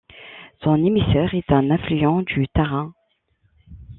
Son émissaire est un affluent du Tarun.